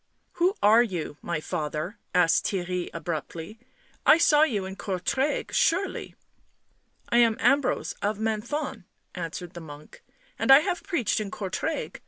" Who are you, my father?" asked Theirry abruptly. " I saw you in Courtrai, surely." " I am Ambrose of Menthon," answered the monk. " And I have preached in Courtrai.